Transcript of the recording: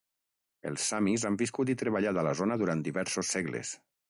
Els samis han viscut i treballat a la zona durant diversos segles.